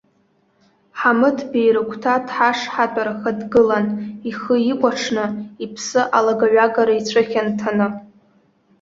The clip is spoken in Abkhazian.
Ҳамыҭбеи рыгәҭа дҳашҳатәараха дгылан, ихы икәаҽны, иԥсы алага-ҩагара ицәыхьанҭаны.